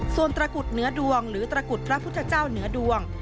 ส่วนตระกุดเหนือดวงหรือตระกุดพระพุทธเจ้าเหนือดวง